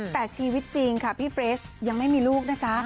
แต่ชีวิตจริงค่ะพี่เฟรชยังไม่มีลูกนะจ๊ะ